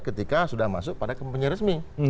ketika sudah masuk pada kepenyeresmi